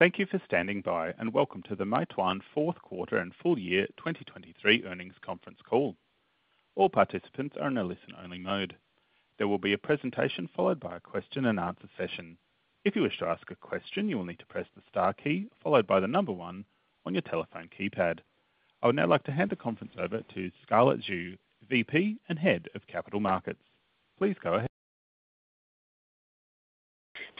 Thank you for standing by and welcome to the Meituan fourth quarter and full year 2023 earnings conference call. All participants are in a listen-only mode. There will be a presentation followed by a question and answer session. If you wish to ask a question, you will need to press the star key followed by the number 1 on your telephone keypad. I would now like to hand the conference over to Scarlett Xu, VP and Head of Capital Markets. Please go ahead.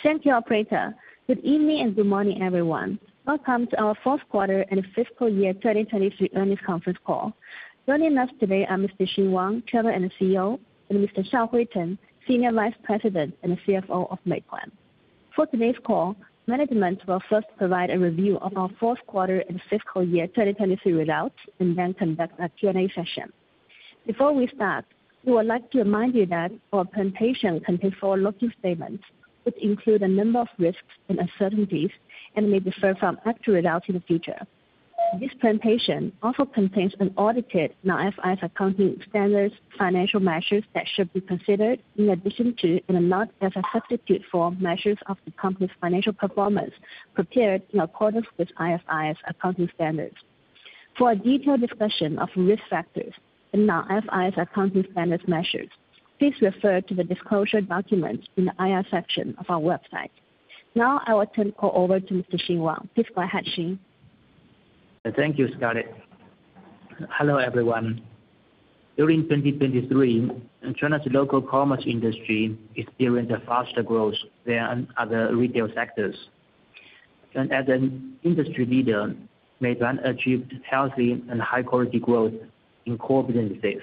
Thank you, Operator. Good evening and good morning, everyone. Welcome to our fourth quarter and fiscal year 2023 earnings conference call. Joining us today are Mr. Wang Xing, Chairman and CEO, and Mr. Shaohui Chen, Senior Vice President and CFO of Meituan. For today's call, management will first provide a review of our fourth quarter and fiscal year 2023 results and then conduct a Q&A session. Before we start, we would like to remind you that our presentation contains forward-looking statements, which include a number of risks and uncertainties and may differ from actual results in the future. This presentation also contains audited non-IFRS accounting standards financial measures that should be considered in addition to and are not a substitute for measures of the company's financial performance prepared in accordance with IFRS accounting standards. For a detailed discussion of risk factors and non-IFRS accounting standards measures, please refer to the disclosure documents in the IR section of our website. Now I will turn the call over to Mr. Wang Xing. Please go ahead, Xing. Thank you, Scarlett. Hello, everyone. During 2023, China's local commerce industry experienced a faster growth than other retail sectors. As an industry leader, Meituan achieved healthy and high-quality growth in core businesses.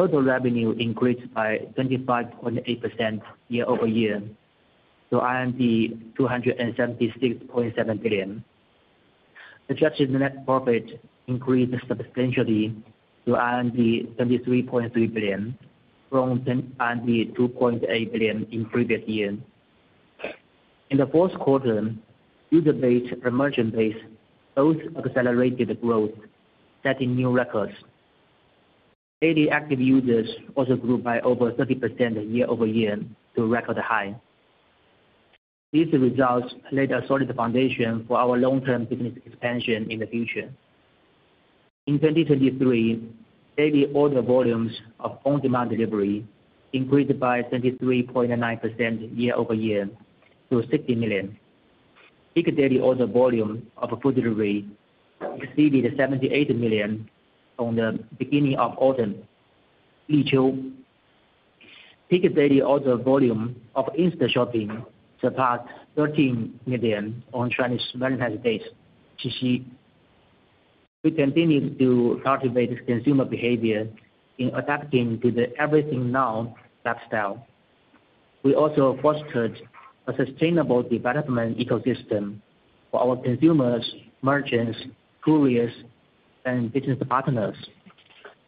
Total revenue increased by 25.8% year-over-year, to 276.7 billion. Adjusted net profit increased substantially to 23.3 billion, from 2.8 billion in previous years. In the fourth quarter, user-based and merchant-based both accelerated growth, setting new records. Daily active users also grew by over 30% year-over-year to record highs. These results laid a solid foundation for our long-term business expansion in the future. In 2023, daily order volumes of on-demand delivery increased by 23.9% year-over-year to 60 million. Peak daily order volume of food delivery exceeded 78 million on the beginning of autumn. Peak daily order volume of instant shopping surpassed 13 million on Chinese Valentine's Day. We continue to cultivate consumer behavior in adapting to the Everything Now lifestyle. We also fostered a sustainable development ecosystem for our consumers, merchants, couriers, and business partners,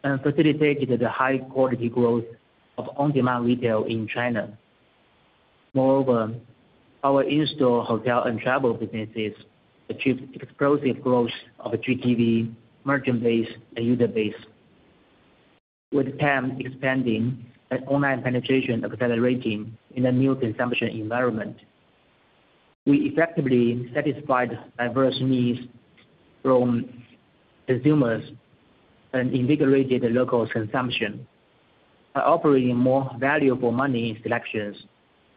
and facilitated the high-quality growth of on-demand retail in China. Moreover, our in-store, hotel, and travel businesses achieved explosive growth of GTV, merchant-based, and user-based. With time expanding and online penetration accelerating in a new consumption environment, we effectively satisfied diverse needs from consumers and invigorated local consumption by offering more value-for-money selections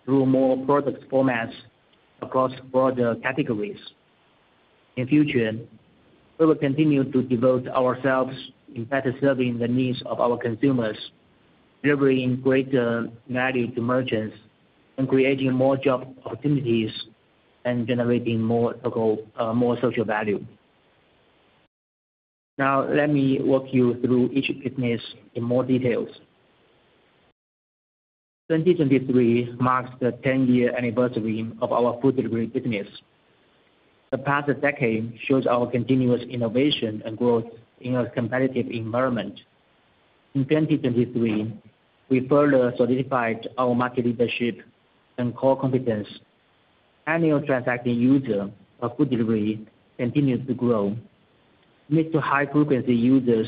through more product formats across broader categories. In future, we will continue to devote ourselves to better serving the needs of our consumers, delivering greater value to merchants, and creating more job opportunities and generating more social value. Now let me walk you through each business in more details. 2023 marks the 10-year anniversary of our food delivery business. The past decade shows our continuous innovation and growth in a competitive environment. In 2023, we further solidified our market leadership and core competence. Annual transacting user of food delivery continues to grow. Mid- to high-frequency users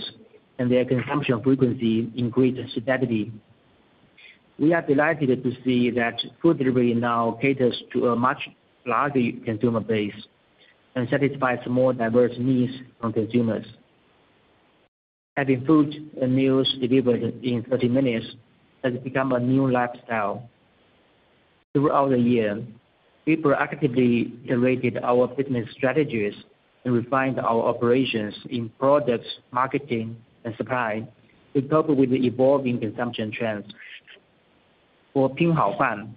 and their consumption frequency increased steadily. We are delighted to see that food delivery now caters to a much larger consumer base and satisfies more diverse needs from consumers. Having food and meals delivered in 30 minutes has become a new lifestyle. Throughout the year, we proactively iterated our business strategies and refined our operations in products, marketing, and supply to cope with the evolving consumption trends. For Pinhaofan,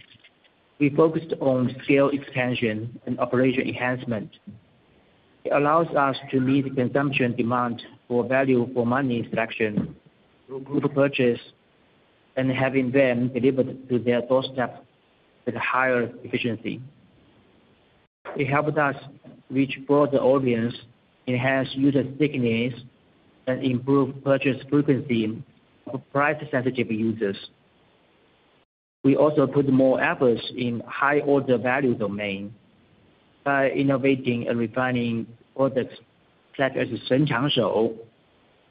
we focused on scale expansion and operation enhancement. It allows us to meet consumption demand for value-for-money selection, group purchase, and having them delivered to their doorstep with higher efficiency. It helped us reach broader audiences, enhance user stickiness, and improve purchase frequency of price-sensitive users. We also put more efforts in high-order value domain by innovating and refining products such as Shen Qiangshou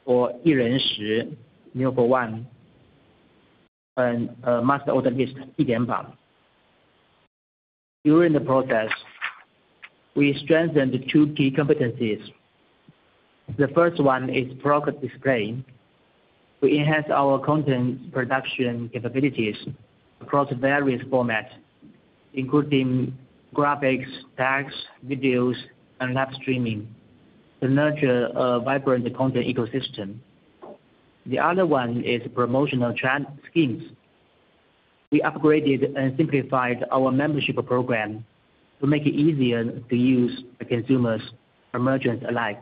or Yiren Shi No. 1 and Master Order List Xidian Bang. During the process, we strengthened two key competencies. The first one is product display. We enhanced our content production capabilities across various formats, including graphics, tags, videos, and live streaming to nurture a vibrant content ecosystem. The other one is promotional schemes. We upgraded and simplified our membership program to make it easier to use by consumers and merchants alike.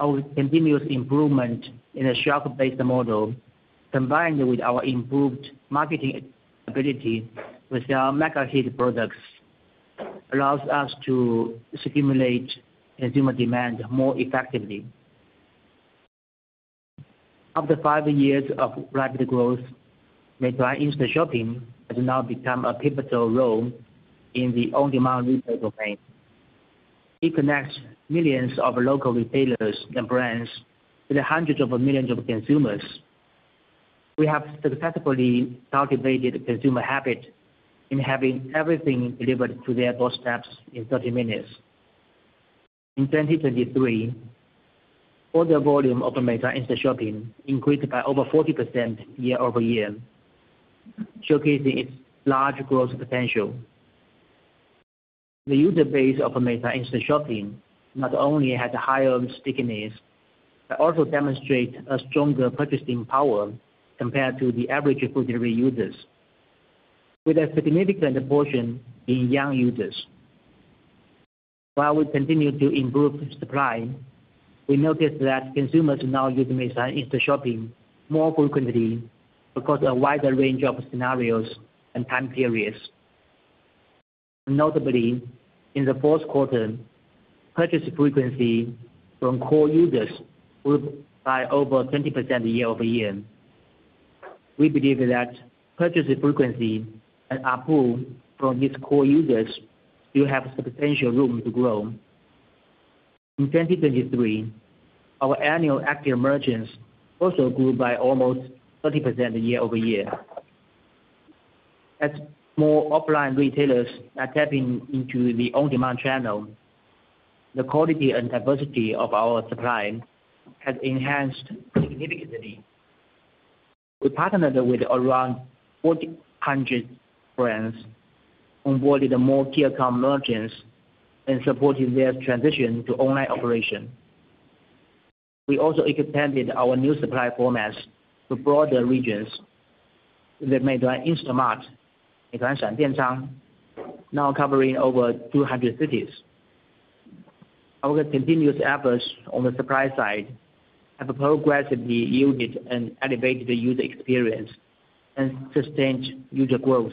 Our continuous improvement in a shelf-based model, combined with our improved marketing ability with our mega-hit products, allows us to stimulate consumer demand more effectively. After five years of rapid growth, Meituan Instashopping has now become a pivotal role in the on-demand retail domain. It connects millions of local retailers and brands with hundreds of millions of consumers. We have successfully cultivated a consumer habit in having everything delivered to their doorsteps in 30 minutes. In 2023, order volume of Meituan Instashopping increased by over 40% year-over-year, showcasing its large growth potential. The user base of Meituan Instashopping not only has higher stickiness but also demonstrates a stronger purchasing power compared to the average food delivery users, with a significant portion being young users. While we continue to improve supply, we noticed that consumers now use Meituan Instashopping more frequently across a wider range of scenarios and time periods. Notably, in the fourth quarter, purchase frequency from core users grew by over 20% year-over-year. We believe that purchase frequency and upward from these core users still have substantial room to grow. In 2023, our annual active merchants also grew by almost 30% year-over-year. As more offline retailers are tapping into the on-demand channel, the quality and diversity of our supply has enhanced significantly. We partnered with around 400 brands, onboarded more telecom merchants, and supported their transition to online operation. We also expanded our new supply formats to broader regions with Meituan InstaMart, Meituan Shandian Chang, now covering over 200 cities. Our continuous efforts on the supply side have progressively yielded an elevated user experience and sustained user growth.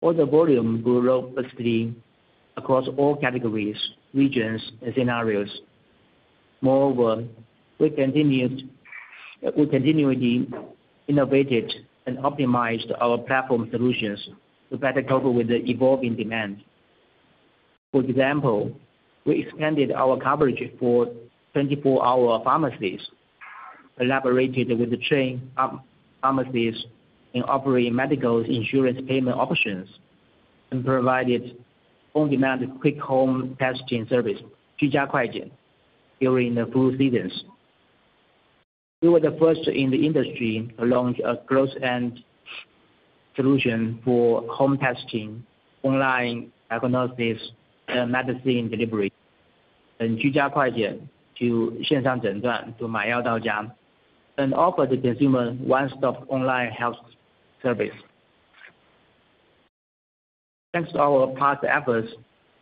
Order volume grew robustly across all categories, regions, and scenarios. Moreover, we continually innovated and optimized our platform solutions to better cope with the evolving demand. For example, we expanded our coverage for 24-hour pharmacies, collaborated with the Cheng Pharmacies in offering medical insurance payment options, and provided on-demand quick home testing service during the flu seasons. We were the first in the industry to launch an end-to-end solution for home testing, online diagnosis, and medicine delivery to Xin Shang Zhen Zhuan to Mai Yao Dao Jia, and offered the consumer one-stop online health service. Thanks to our past efforts,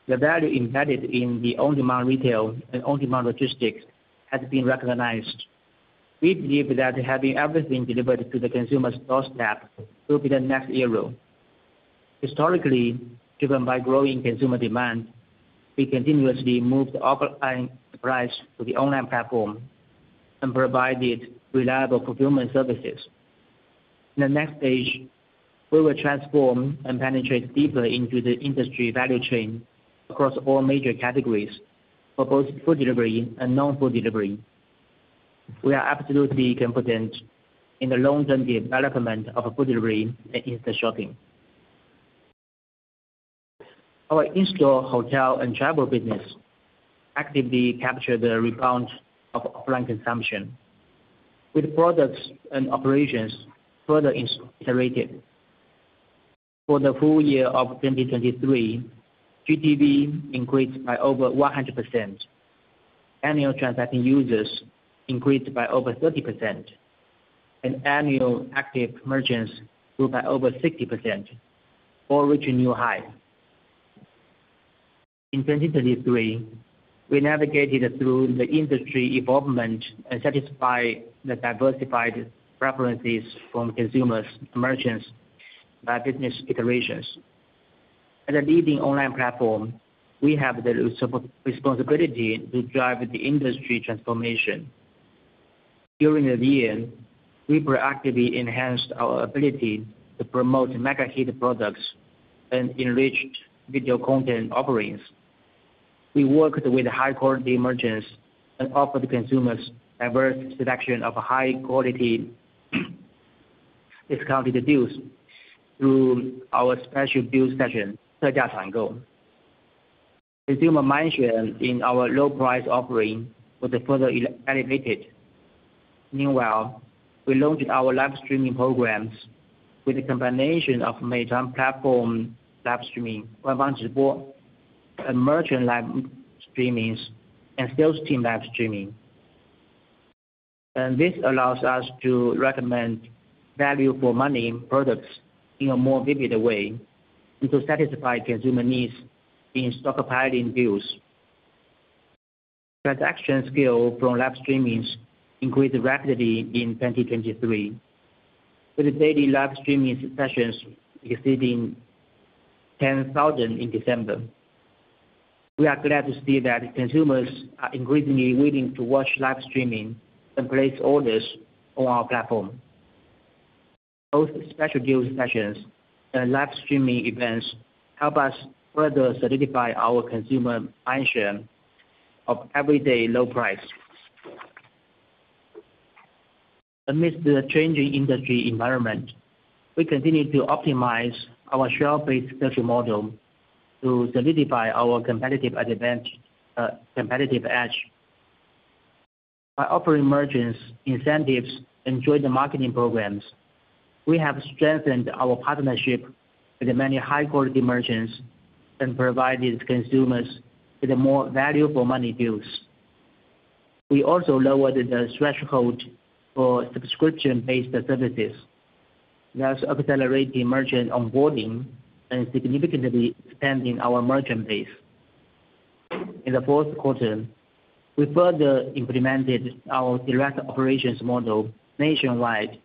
the value embedded in the on-demand retail and on-demand logistics has been recognized. We believe that having everything delivered to the consumer's doorstep will be the next hero. Historically, driven by growing consumer demand, we continuously moved offline supplies to the online platform and provided reliable fulfillment services. In the next stage, we will transform and penetrate deeper into the industry value chain across all major categories for both food delivery and non-food delivery. We are absolutely competent in the long-term development of food delivery and instant shopping. Our in-store, hotel, and travel business actively captured the rebound of offline consumption with products and operations further iterated. For the full year of 2023, GTV increased by over 100%, annual transacting users increased by over 30%, and annual active merchants grew by over 60%, all reaching new highs. In 2023, we navigated through the industry evolution and satisfied the diversified preferences from consumers and merchants by business iterations. As a leading online platform, we have the responsibility to drive the industry transformation. During the year, we proactively enhanced our ability to promote mega-hit products and enriched video content offerings. We worked with high-quality merchants and offered consumers a diverse selection of high-quality discounted deals through our special deal session. Consumer mindshare in our low-price offering was further elevated. Meanwhile, we launched our live streaming programs with a combination of Meituan platform live streaming, and merchant live streamings, and sales team live streaming. This allows us to recommend value-for-money products in a more vivid way and to satisfy consumer needs in stockpiling deals. Transaction scale from live streamings increased rapidly in 2023 with daily live streaming sessions exceeding 10,000 in December. We are glad to see that consumers are increasingly willing to watch live streaming and place orders on our platform. Both special deal sessions and live streaming events help us further solidify our consumer mindshare of everyday low price. Amidst the changing industry environment, we continue to optimize our shelf-based sales model to solidify our competitive edge by offering merchants incentives and joint marketing programs. We have strengthened our partnership with many high-quality merchants and provided consumers with more value-for-money deals. We also lowered the threshold for subscription-based services, thus accelerating merchant onboarding and significantly expanding our merchant base. In the fourth quarter, we further implemented our direct operations model nationwide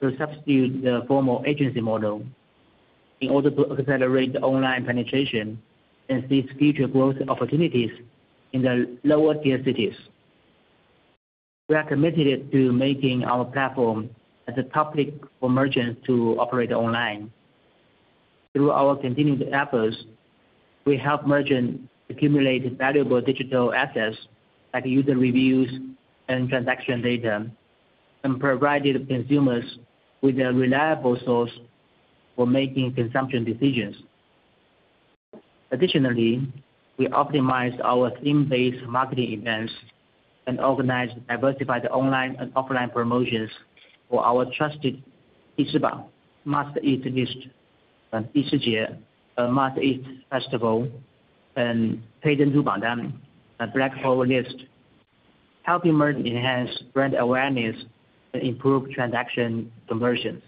to substitute the formal agency model in order to accelerate online penetration and seize future growth opportunities in the lower-tier cities. We are committed to making our platform as a topic for merchants to operate online. Through our continued efforts, we help merchants accumulate valuable digital assets like user reviews and transaction data and provided consumers with a reliable source for making consumption decisions. Additionally, we optimized our theme-based marketing events and organized diversified online and offline promotions for our trusted Must-Eat List Festival and Black Pearl Restaurant Guide, helping merchants enhance brand awareness and improve transaction conversions.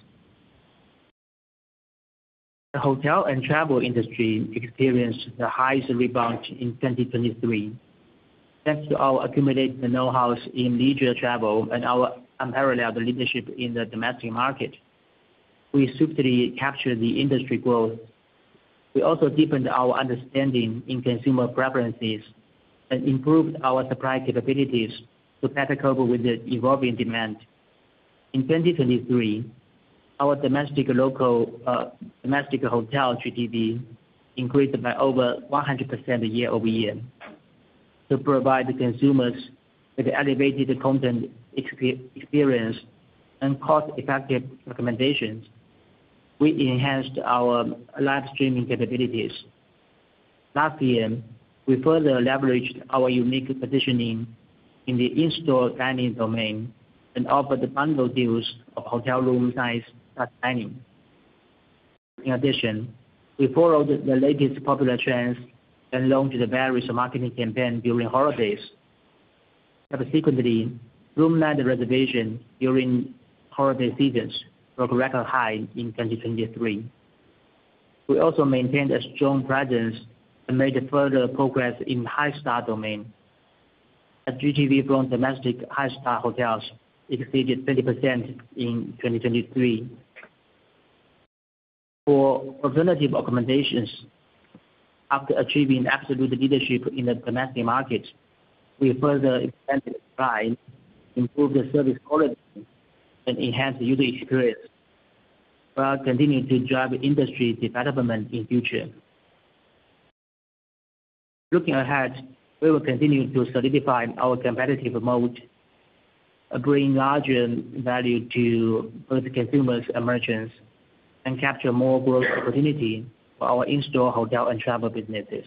The hotel and travel industry experienced the highest rebound in 2023. Thanks to our accumulated know-how in leisure travel and our unparalleled leadership in the domestic market, we swiftly captured the industry growth. We also deepened our understanding in consumer preferences and improved our supply capabilities to better cope with the evolving demand. In 2023, our domestic hotel GTV increased by over 100% year-over-year. To provide consumers with elevated content experience and cost-effective recommendations, we enhanced our live streaming capabilities. Last year, we further leveraged our unique positioning in the in-store dining domain and offered bundle deals of hotel room size plus dining. In addition, we followed the latest popular trends and launched various marketing campaigns during holidays. Subsequently, room line reservations during holiday seasons broke record highs in 2023. We also maintained a strong presence and made further progress in the high-star domain. GTV from domestic high-star hotels exceeded 20% in 2023. For alternative augmentations, after achieving absolute leadership in the domestic market, we further expanded supply, improved service quality, and enhanced user experience while continuing to drive industry development in the future. Looking ahead, we will continue to solidify our competitive moat, bringing larger value to both consumers and merchants, and capture more growth opportunities for our in-store hotel and travel businesses.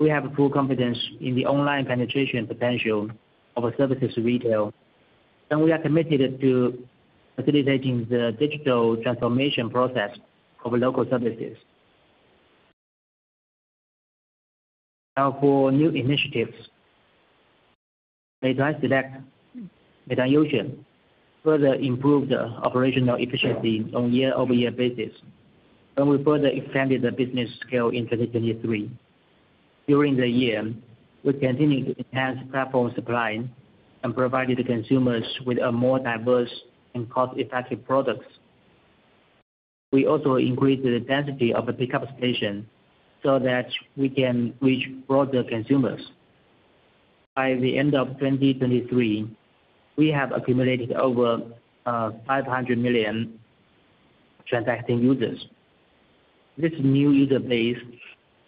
We have full confidence in the online penetration potential of our services retail, and we are committed to facilitating the digital transformation process of local services. Now, for new initiatives, Meituan Select, Meituan Youxuan further improved operational efficiency on a year-over-year basis, and we further expanded the business scale in 2023. During the year, we continued to enhance platform supply and provided consumers with more diverse and cost-effective products. We also increased the density of the pickup station so that we can reach broader consumers. By the end of 2023, we have accumulated over 500 million transacting users. This new user base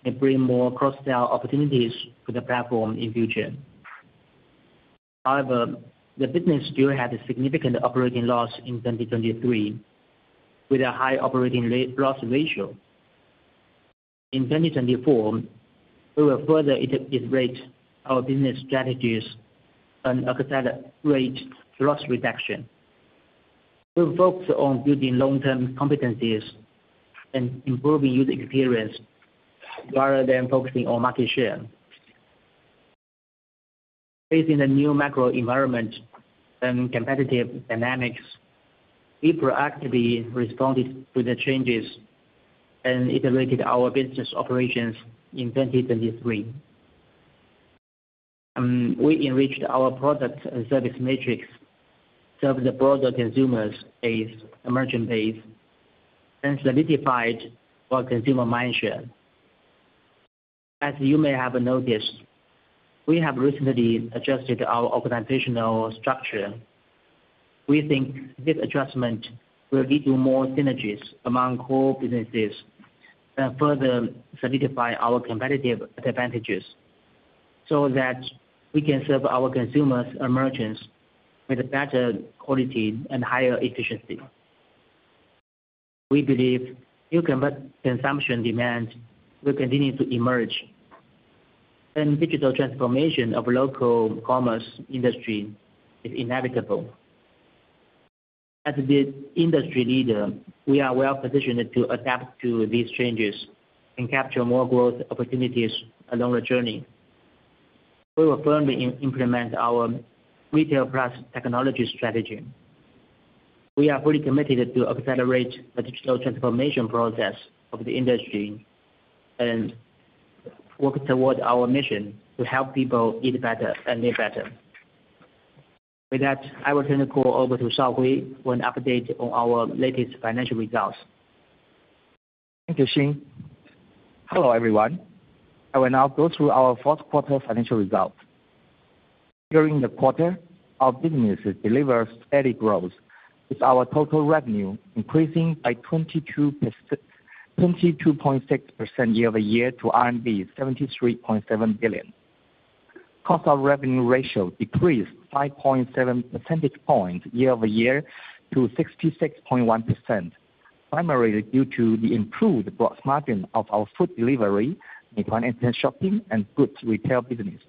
may bring more cross-sell opportunities for the platform in the future. However, the business still had significant operating loss in 2023 with a high operating loss ratio. In 2024, we will further iterate our business strategies and accelerate loss reduction. We will focus on building long-term competencies and improving user experience rather than focusing on market share. Facing the new macro environment and competitive dynamics, we proactively responded to the changes and iterated our business operations in 2023. We enriched our product and service matrix, served the broader consumers as a merchant base, and solidified our consumer mindshare. As you may have noticed, we have recently adjusted our organizational structure. We think this adjustment will lead to more synergies among core businesses and further solidify our competitive advantages so that we can serve our consumers and merchants with better quality and higher efficiency. We believe new consumption demands will continue to emerge, and digital transformation of the local commerce industry is inevitable. As the industry leader, we are well positioned to adapt to these changes and capture more growth opportunities along the journey. We will firmly implement our retail-plus technology strategy. We are fully committed to accelerate the digital transformation process of the industry and work toward our mission to help people eat better and live better. With that, I will turn the call over to Shaohui for an update on our latest financial results. Thank you, Xing. Hello, everyone. I will now go through our fourth quarter financial results. During the quarter, our businesses delivered steady growth, with our total revenue increasing by 22.6% year-over-year to RMB 73.7 billion. Cost revenue ratio decreased 5.7 percentage points year-over-year to 66.1%, primarily due to the improved gross margin of our food delivery, Meituan Instashopping, and goods retail business,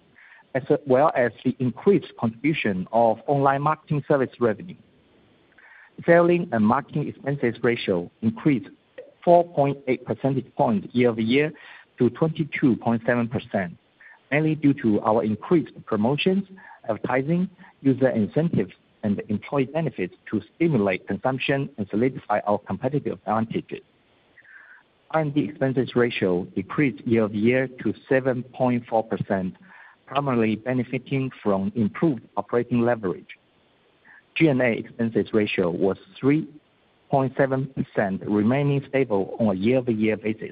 as well as the increased contribution of online marketing service revenue. Selling and marketing expenses ratio increased 4.8 percentage points year-over-year to 22.7%, mainly due to our increased promotions, advertising, user incentives, and employee benefits to stimulate consumption and solidify our competitive advantages. R&D expenses ratio decreased year-over-year to 7.4%, primarily benefiting from improved operating leverage. G&A expenses ratio was 3.7%, remaining stable on a year-over-year basis.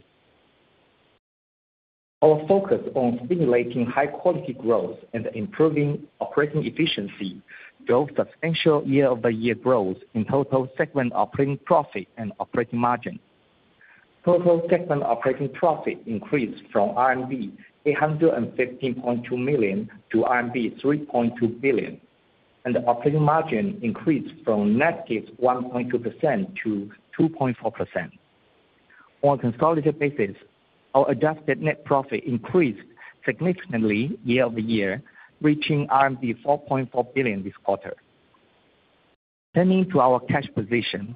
Our focus on stimulating high-quality growth and improving operating efficiency drove substantial year-over-year growth in total segment operating profit and operating margin. Total segment operating profit increased from RMB 815.2 million to RMB 3.2 billion, and the operating margin increased from negative 1.2% to 2.4%. On a consolidated basis, our adjusted net profit increased significantly year-over-year, reaching RMB 4.4 billion this quarter. Turning to our cash position,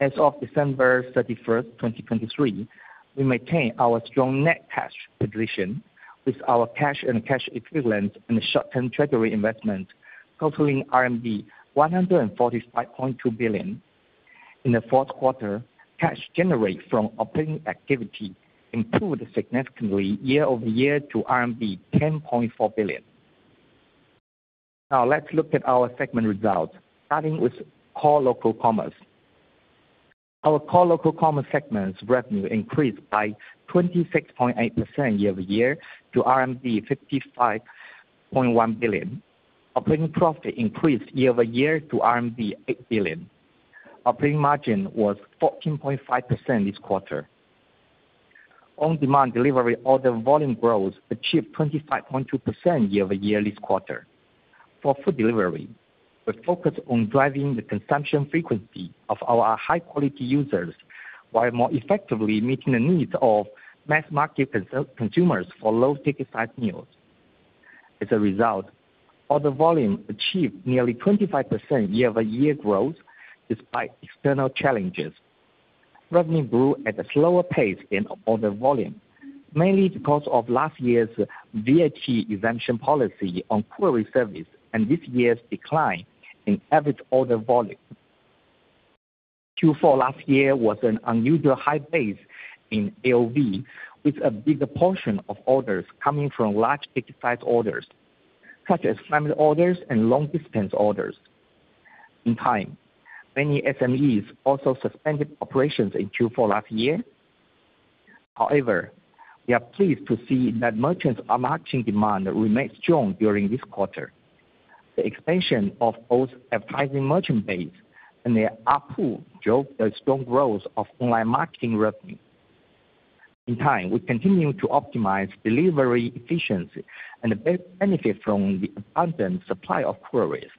as of December 31st, 2023, we maintain our strong net cash position with our cash and cash equivalents and short-term treasury investments totaling RMB 145.2 billion. In the fourth quarter, cash generated from operating activity improved significantly year-over-year to RMB 10.4 billion. Now, let's look at our segment results, starting with core local commerce. Our core local commerce segment's revenue increased by 26.8% year-over-year to RMB 55.1 billion. Operating profit increased year-over-year to RMB 8 billion. Operating margin was 14.5% this quarter. On-demand delivery order volume growth achieved 25.2% year-over-year this quarter. For food delivery, we focus on driving the consumption frequency of our high-quality users while more effectively meeting the needs of mass market consumers for low-ticket-sized meals. As a result, order volume achieved nearly 25% year-over-year growth despite external challenges. Revenue grew at a slower pace than order volume, mainly because of last year's VAT exemption policy on courier service and this year's decline in average order volume. Q4 last year was an unusual high base in AOV, with a bigger portion of orders coming from large-ticket-sized orders such as family orders and long-distance orders. In time, many SMEs also suspended operations in Q4 last year. However, we are pleased to see that merchants' marketing demand remained strong during this quarter. The expansion of both advertising merchant base and their uptake drove the strong growth of online marketing revenue. In time, we continue to optimize delivery efficiency and benefit from the abundant supply of couriers.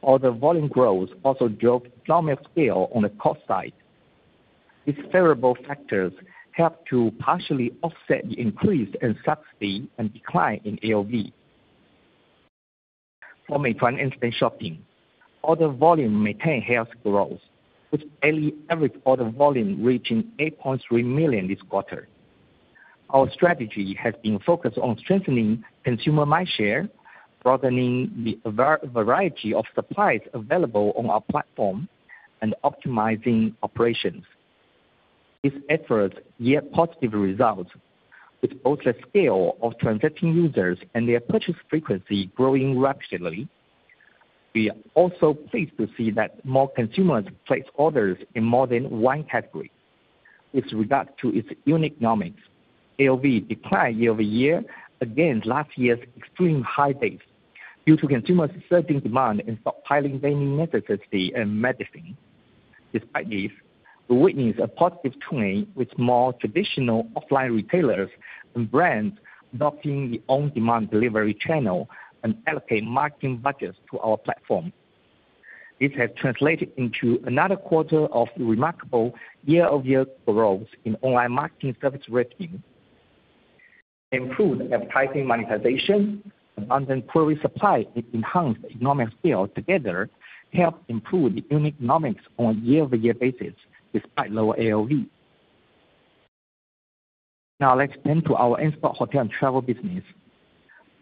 Order volume growth also drove economies of scale on the cost side. These favorable factors helped to partially offset the increase in subsidy and decline in AOV. For Meituan Instashopping, order volume maintained healthy growth, with daily average order volume reaching 8.3 million this quarter. Our strategy has been focused on strengthening consumer mindshare, broadening the variety of supplies available on our platform, and optimizing operations. These efforts yield positive results, with both the scale of transacting users and their purchase frequency growing rapidly. We are also pleased to see that more consumers place orders in more than one category. With regard to its unit economics, AOV declined year-over-year against last year's extreme high base due to consumers' surging demand and stockpiling daily necessities and medicine. Despite this, we witnessed a positive trend with more traditional offline retailers and brands adopting their own on-demand delivery channel and allocating marketing budgets to our platform. This has translated into another quarter of remarkable year-over-year growth in online marketing service revenue. Improved advertising monetization, abundant courier supply, and enhanced economies of scale together help improve the unit economics on a year-over-year basis despite lower AOV. Now, let's turn to our in-store hotel and travel business.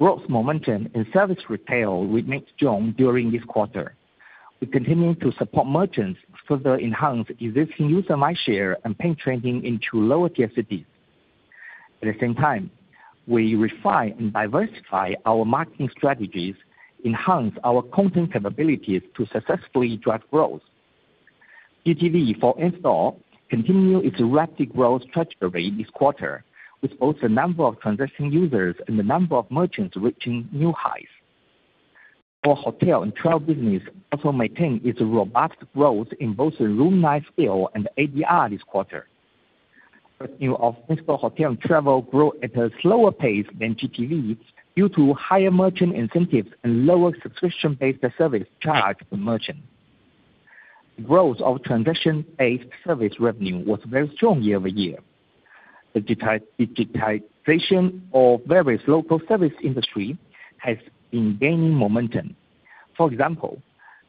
Growth momentum in service retail remained strong during this quarter. We continue to support merchants, further enhance existing user mindshare, and penetrating into lower-tier cities At the same time, we refine and diversify our marketing strategies, enhance our content capabilities to successfully drive growth. GTV for in-store continues its rapid growth trajectory this quarter, with both the number of transacting users and the number of merchants reaching new highs. Our hotel and travel business also maintained its robust growth in both room size scale and ADR this quarter. Revenue of in-store hotel and travel grew at a slower pace than GTV due to higher merchant incentives and lower subscription-based service charge per merchant. Growth of transaction-based service revenue was very strong year-over-year. Digitization of various local service industries has been gaining momentum. For example,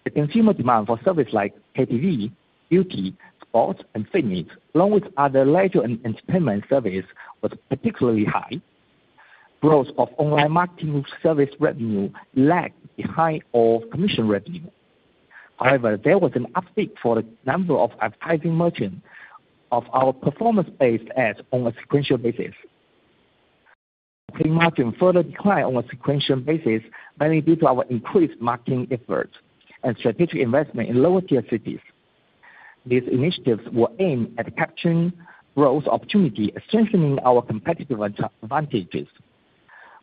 the consumer demand for services like KTV, beauty, sports, and fitness, along with other leisure and entertainment services, was particularly high. Growth of online marketing service revenue lagged behind all commission revenue. However, there was an uptick for the number of advertising merchants of our performance-based ads on a sequential basis. Marketing margin further declined on a sequential basis, mainly due to our increased marketing efforts and strategic investment in lower TFCDs. These initiatives will aim at capturing growth opportunities, strengthening our competitive advantages.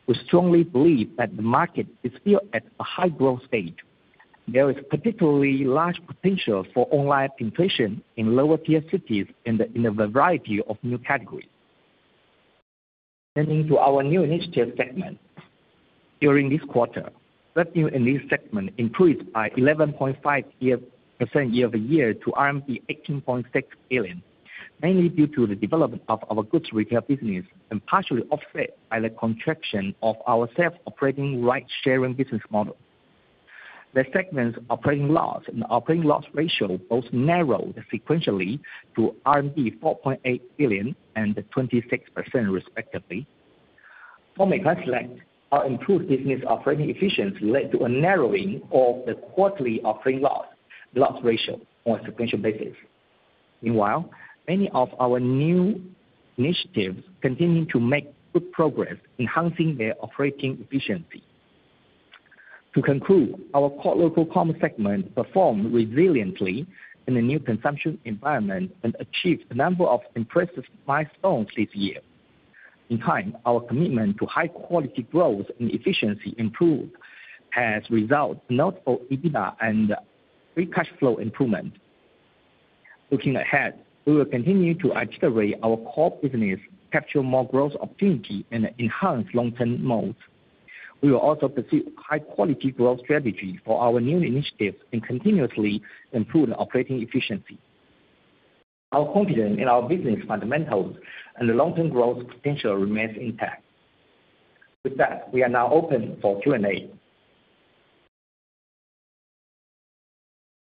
We strongly believe that the market is still at a high growth stage. There is particularly large potential for online penetration in lower TFCDs and in a variety of new categories. Turning to our new initiative segment. During this quarter, revenue in this segment increased by 11.5% year-over-year to RMB 18.6 billion, mainly due to the development of our goods retail business and partially offset by the contraction of our self-operating ride-sharing business model. The segment's operating loss and operating loss ratio both narrowed sequentially to RMB 4.8 billion and 26%, respectively. For Meituan Select, our improved business operating efficiency led to a narrowing of the quarterly operating loss ratio on a sequential basis. Meanwhile, many of our new initiatives continue to make good progress, enhancing their operating efficiency. To conclude, our core local commerce segment performed resiliently in the new consumption environment and achieved a number of impressive milestones this year. In time, our commitment to high-quality growth and efficiency improved as a result of notable EBITDA and free cash flow improvement. Looking ahead, we will continue to articulate our core business, capture more growth opportunity, and enhance long-term goals. We will also pursue high-quality growth strategies for our new initiatives and continuously improve the operating efficiency. Our confidence in our business fundamentals and the long-term growth potential remains intact. With that, we are now open for Q&A.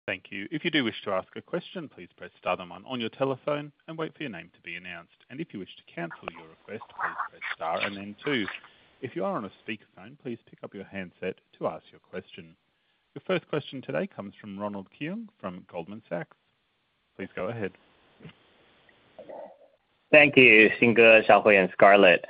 Thank you. If you do wish to ask a question, please press star number one on your telephone and wait for your name to be announced. If you wish to cancel your request, please press star and then two. If you are on a speakerphone, please pick up your handset to ask your question. Your first question today comes from Ronald Keung from Goldman Sachs. Please go ahead. Thank you, Xing, Shaohui, and Scarlett.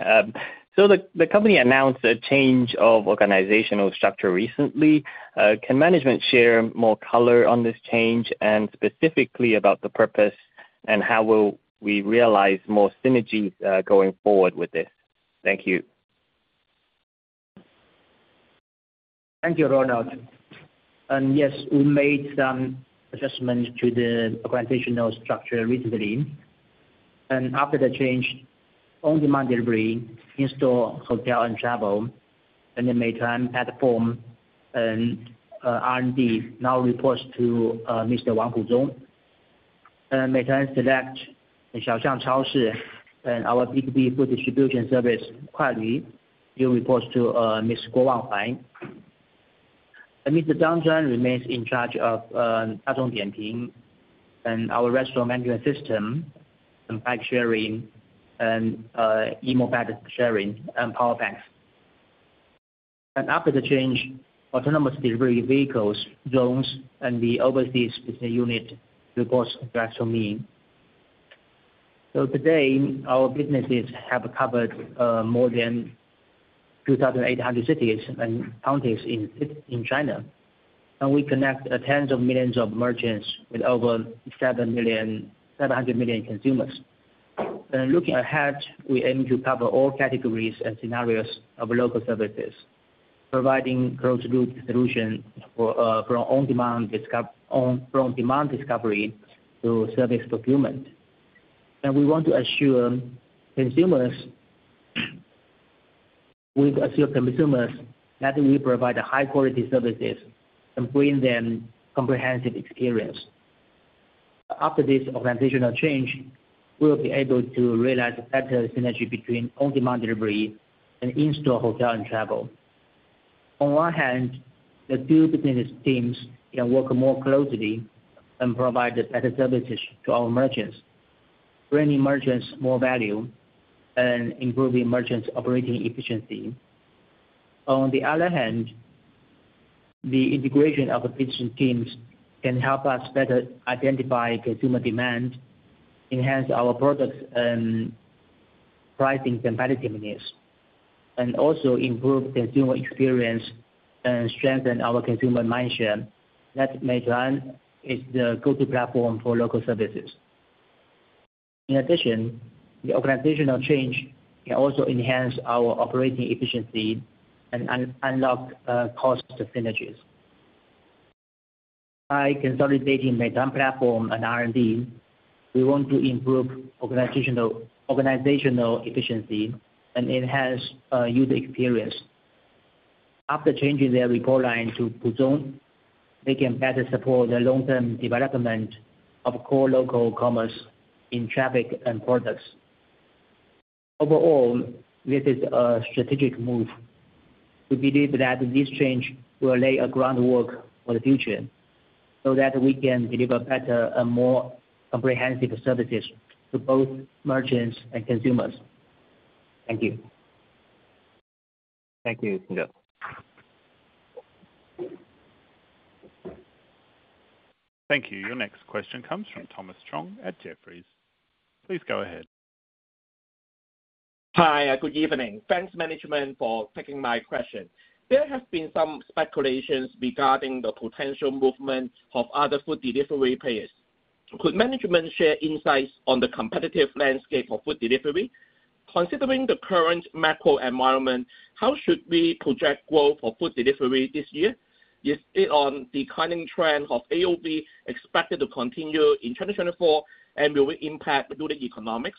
The company announced a change of organizational structure recently. Can management share more color on this change and specifically about the purpose and how we will realize more synergies going forward with this? Thank you. Thank you, Ronald. Yes, we made some adjustments to the organizational structure recently. After the change, on-demand delivery, in-store, hotel and travel, and then Meituan platform and R&D now reports to Mr. Wang Puzhong. Meituan Select and Xiaoxiang Caoshi and our B2B food distribution service, Kuailv, do reports to Mr. Guo Wanhuai. Mr. Zhang Chuan remains in charge of Dazhong Dianping and our restaurant management system and bike sharing and e-bike sharing and power banks. After the change, autonomous delivery vehicles, drones, and the overseas business unit reports direct to me. So today, our businesses have covered more than 2,800 cities and counties in China. We connect tens of millions of merchants with over 700 million consumers. Looking ahead, we aim to cover all categories and scenarios of local services, providing closed-loop solutions from on-demand discovery to service procurement. We want to assure consumers that we provide high-quality services and bring them comprehensive experience. After this organizational change, we will be able to realize a better synergy between on-demand delivery and in-store hotel and travel. On one hand, the two business teams can work more closely and provide better services to our merchants, bringing merchants more value and improving merchants' operating efficiency. On the other hand, the integration of business teams can help us better identify consumer demand, enhance our products' pricing competitiveness, and also improve consumer experience and strengthen our consumer mindshare. That Meituan is the go-to platform for local services. In addition, the organizational change can also enhance our operating efficiency and unlock cost synergies. By consolidating Meituan platform and R&D, we want to improve organizational efficiency and enhance user experience. After changing their report line to Wang Puzhong, they can better support the long-term development of core local commerce in traffic and products. Overall, this is a strategic move. We believe that this change will lay a groundwork for the future so that we can deliver better and more comprehensive services to both merchants and consumers. Thank you. Thank you, Thank you. Your next question comes from Thomas Chong at Jefferies. Please go ahead. Hi. Good evening. Thanks, management, for taking my question. There have been some speculations regarding the potential movement of other food delivery players. Could management share insights on the competitive landscape of food delivery? Considering the current macro environment, how should we project growth for food delivery this year? Is it on a declining trend of AOV expected to continue in 2024, and will it impact unit economics?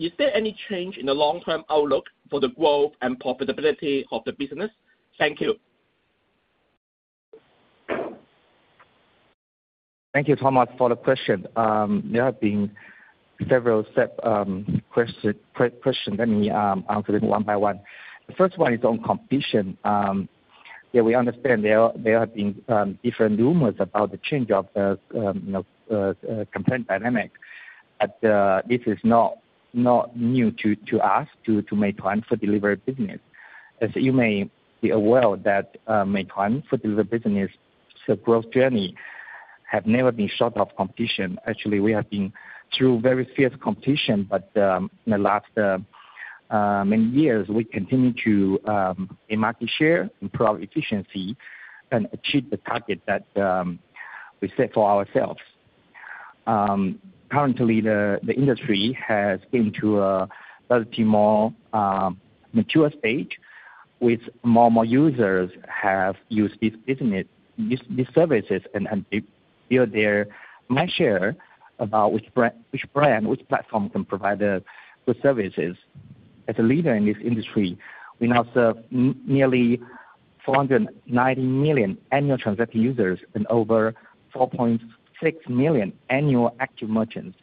Is there any change in the long-term outlook for the growth and profitability of the business? Thank you. Thank you, Thomas, for the question. There have been several set questions. Let me answer them one by one. The first one is on competition. Yeah, we understand there have been different rumors about the change of the competitive dynamic, but this is not new to us, to Meituan food delivery business. As you may be aware that Meituan food delivery business' growth journey has never been short of competition. Actually, we have been through very fierce competition, but in the last many years, we continue to increase market share, improve efficiency, and achieve the target that we set for ourselves. Currently, the industry has gained to a relatively more mature stage, with more and more users having used these services and built their mindshare about which brand, which platform can provide the services. As a leader in this industry, we now serve nearly 490 million annual transaction users and over 4.6 million annual active merchants.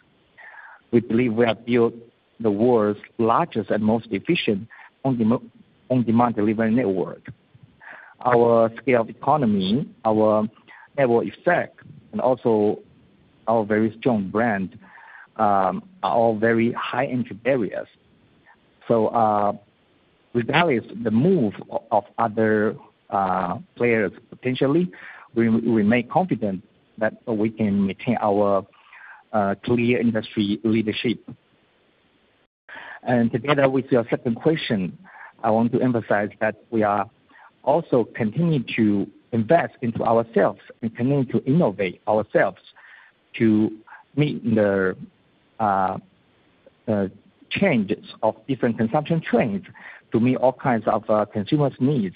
We believe we have built the world's largest and most efficient on-demand delivery network. Our scale of economy, our network effect, and also our very strong brand are all very high-entry barriers. So regardless of the move of other players, potentially, we remain confident that we can maintain our clear industry leadership. Together with your second question, I want to emphasize that we are also continuing to invest into ourselves and continuing to innovate ourselves to meet the changes of different consumption trends, to meet all kinds of consumers' needs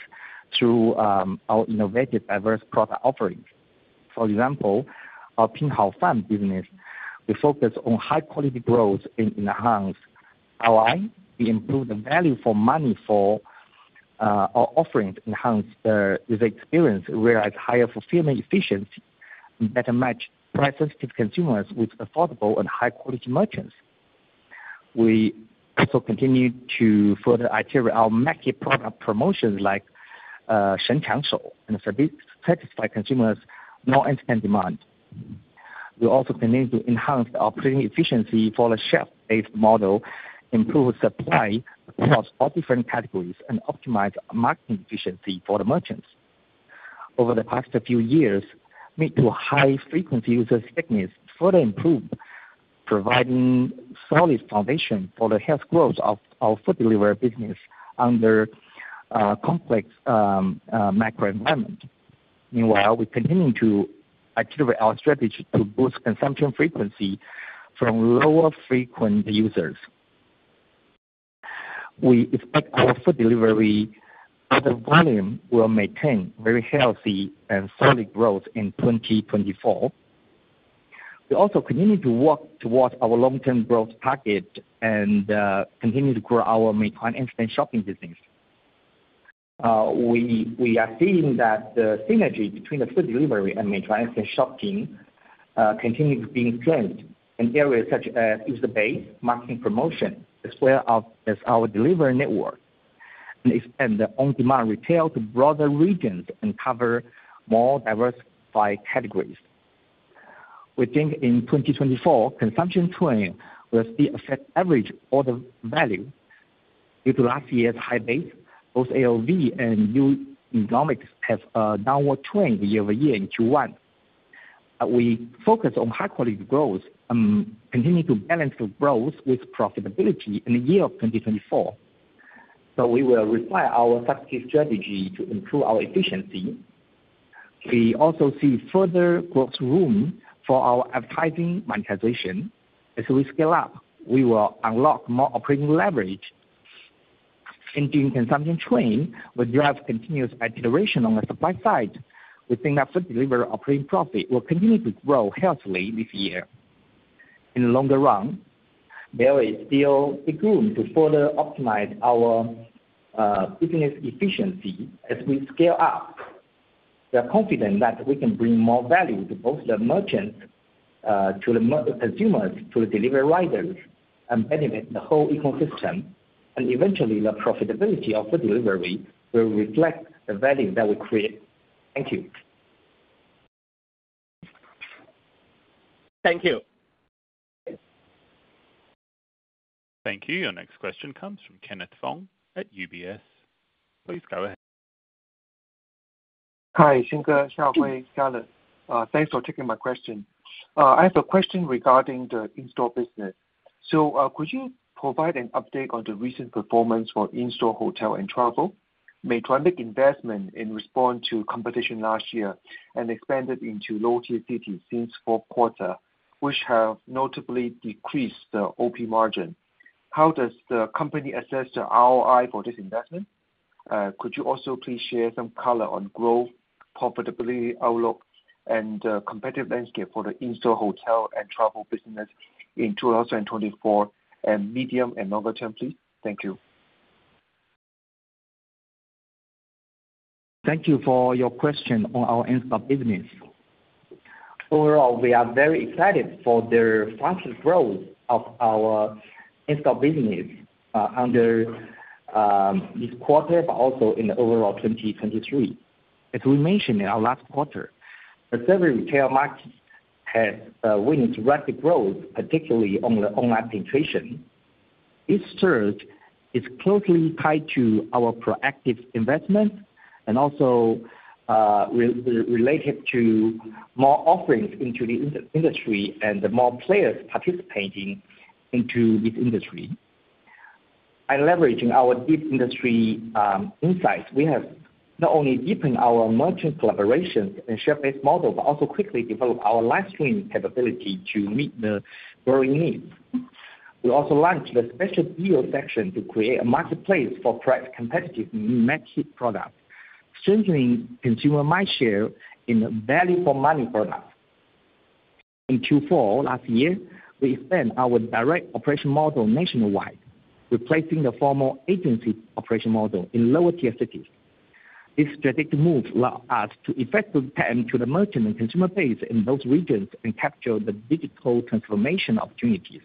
through our innovative, diverse product offerings. For example, our Pin Hao Fan business, we focus on high-quality growth and enhance our value for money for our offerings, enhance user experience, realize higher fulfillment efficiency, and better match price-sensitive consumers with affordable and high-quality merchants. We also continue to further articulate our market product promotions like Shen Qiangshou and satisfy consumers' non-instant demand. We also continue to enhance our operating efficiency for the shelf-based model, improve supply across all different categories, and optimize marketing efficiency for the merchants. Over the past few years, Meituan's high-frequency user stickiness further improved, providing solid foundation for the healthy growth of our food delivery business under a complex macro environment. Meanwhile, we continue to articulate our strategy to boost consumption frequency from lower-frequent users. We expect our food delivery order volume will maintain very healthy and solid growth in 2024. We also continue to work towards our long-term growth target and continue to grow our Meituan Instashopping business. We are seeing that the synergy between the food delivery and Meituan Instashopping continues to be strengthened in areas such as user-based marketing promotion, as well as our delivery network, and expand the on-demand retail to broader regions and cover more diversified categories. We think in 2024, consumption trends will still affect average order value. Due to last year's high base, both AOV and new economics have a downward trend year-over-year in Q1. We focus on high-quality growth and continue to balance the growth with profitability in the year of 2024. So we will refine our subsidy strategy to improve our efficiency. We also see further growth room for our advertising monetization. As we scale up, we will unlock more operating leverage. Ending consumption trend, we drive continuous articulation on the supply side. We think that food delivery operating profit will continue to grow healthily this year. In the longer run, there is still big room to further optimize our business efficiency as we scale up. We are confident that we can bring more value to both the merchants, to the consumers, to the delivery riders, and benefit the whole ecosystem. Eventually, the profitability of food delivery will reflect the value that we create. Thank you. Thank you. Thank you. Your next question comes from Kenneth Fong at UBS. Please go ahead. Xing, Shaohui Chen, Scarlett Xu. Thanks for taking my question. I have a question regarding the in-store business. So could you provide an update on the recent performance for in-store hotel and travel, Meituan making investment in response to competition last year and expanded into lower-tier cities since fourth quarter, which have notably decreased the OP margin? How does the company assess the ROI for this investment? Could you also please share some color on growth, profitability outlook, and the competitive landscape for the in-store hotel and travel business in 2024, and medium and longer term, please? Thank you. Thank you for your question on our in-store business. Overall, we are very excited for the fastest growth of our in-store business under this quarter, but also in the overall 2023. As we mentioned in our last quarter, the survey retail market has witnessed rapid growth, particularly online penetration. This surge is closely tied to our proactive investments and also related to more offerings into the industry and the more players participating into this industry. By leveraging our deep industry insights, we have not only deepened our merchant collaborations and chef-based model, but also quickly developed our live stream capability to meet the growing needs. We also launched a special deal section to create a marketplace for price-competitive market products, strengthening consumer mindshare in a value-for-money product. In Q4 last year, we expanded our direct operation model nationwide, replacing the former agency operation model in lower-tier cities. This strategic move allowed us to effectively tap into the merchant and consumer base in those regions and capture the digital transformation opportunities.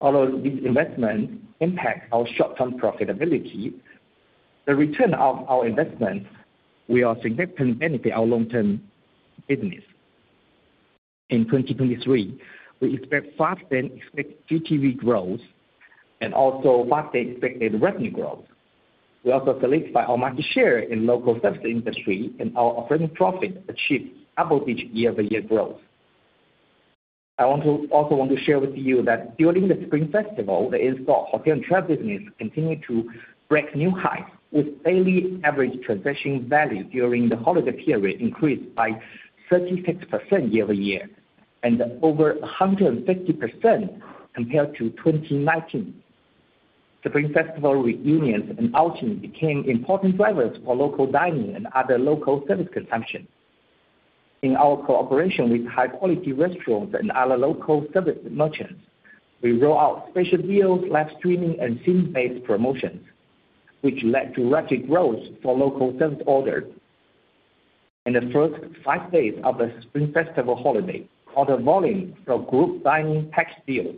Although these investments impact our short-term profitability, the return of our investments, we are significantly benefiting our long-term business. In 2023, we expect fast-expected GTV growth and also fast-expected revenue growth. We also solidify our market share in the local service industry, and our operating profit achieved double-digit year-over-year growth. I also want to share with you that during the Spring Festival, the in-store hotel and travel business continued to break new highs, with daily average transaction value during the holiday period increased by 36% year-over-year and over 150% compared to 2019. The Spring Festival reunions and outings became important drivers for local dining and other local service consumption. In our cooperation with high-quality restaurants and other local service merchants, we rolled out special deals, live streaming, and scene-based promotions, which led to rapid growth for local service orders. In the first five days of the Spring Festival holiday, order volume for group dining package deals,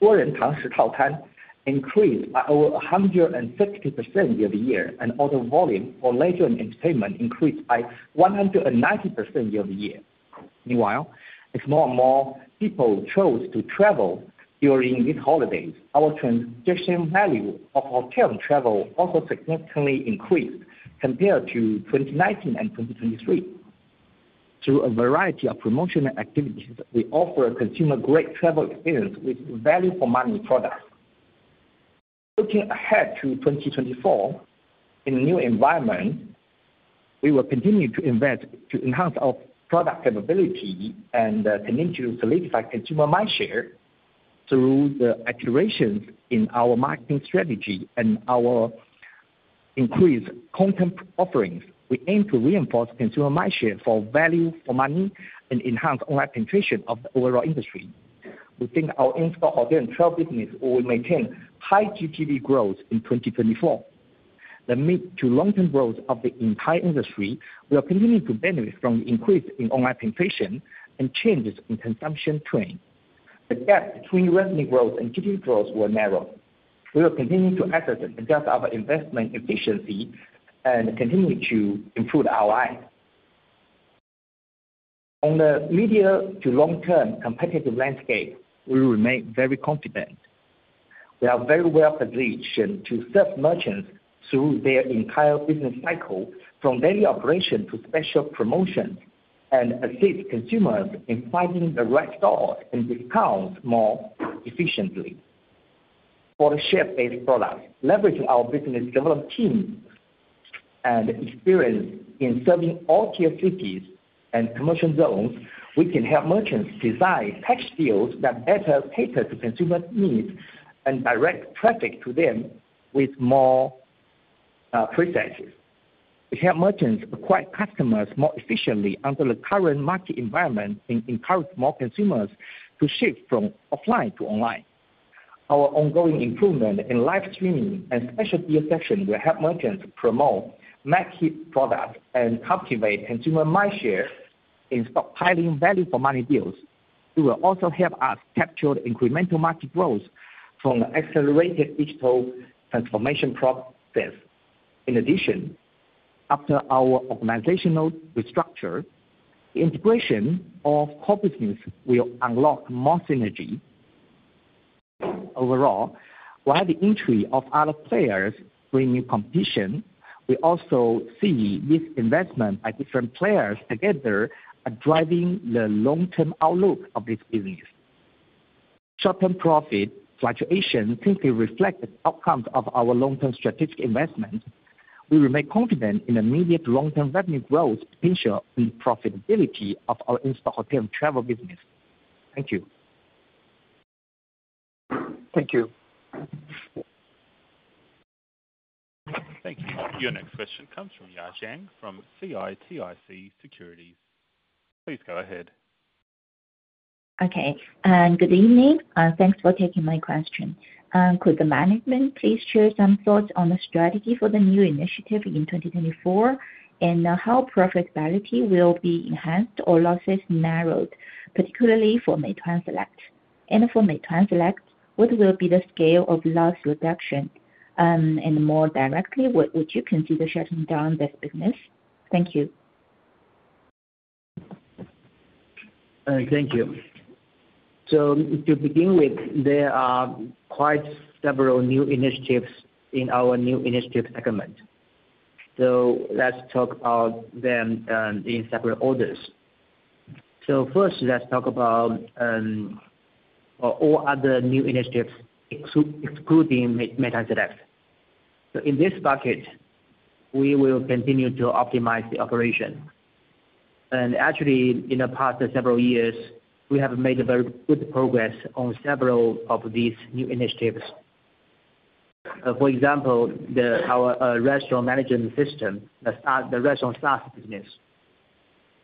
oriental restaurants, increased by over 150% year-over-year, and order volume for leisure and entertainment increased by 190% year-over-year. Meanwhile, as more and more people chose to travel during these holidays, our transaction value of hotel and travel also significantly increased compared to 2019 and 2023. Through a variety of promotional activities, we offer consumer-grade travel experiences with value-for-money products. Looking ahead to 2024, in a new environment, we will continue to invest to enhance our product capability and continue to solidify consumer mindshare through the articulations in our marketing strategy and our increased content offerings. We aim to reinforce consumer mindshare for value-for-money and enhance online penetration of the overall industry. We think our in-store hotel and travel business will maintain high GTV growth in 2024. The mid-to-long-term growth of the entire industry, we are continuing to benefit from the increase in online penetration and changes in consumption trends. The gap between revenue growth and GTV growth will narrow. We will continue to assess and adjust our investment efficiency and continue to improve the ROI. On the medium to long-term competitive landscape, we remain very confident. We are very well positioned to serve merchants through their entire business cycle, from daily operation to special promotions, and assist consumers in finding the right stores and discounts more efficiently. For the chef-based products, leveraging our business development teams' experience in serving all-tier cities and commercial zones, we can help merchants design package deals that better cater to consumers' needs and direct traffic to them with more precincts. We help merchants acquire customers more efficiently under the current market environment and encourage more consumers to shift from offline to online. Our ongoing improvement in live streaming and special deal sections will help merchants promote market products and cultivate consumer mindshare in stockpiling value-for-money deals. It will also help us capture the incremental market growth from the accelerated digital transformation process. In addition, after our organizational restructure, the integration of core businesses will unlock more synergy. Overall, while the entry of other players brings new competition, we also see this investment by different players together driving the long-term outlook of this business. Short-term profit fluctuations simply reflect the outcomes of our long-term strategic investments. We remain confident in the immediate long-term revenue growth potential and profitability of our in-store hotel and travel business. Thank you. Thank you. Thank you. Your next question comes from Ya Jiang from CITIC Securities. Please go ahead. Okay. Good evening. Thanks for taking my question. Could the management please share some thoughts on the strategy for the new initiative in 2024 and how profitability will be enhanced or losses narrowed, particularly for Meituan Select? And for Meituan Select, what will be the scale of loss reduction? And more directly, would you consider shutting down this business? Thank you. Thank you. To begin with, there are quite several new initiatives in our new initiative segment. Let's talk about them in separate orders. First, let's talk about all other new initiatives excluding Meituan Select. In this bucket, we will continue to optimize the operation. Actually, in the past several years, we have made very good progress on several of these new initiatives. For example, our restaurant management system, the restaurant SaaS business,